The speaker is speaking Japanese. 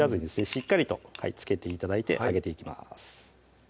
しっかりと付けて頂いて揚げていきます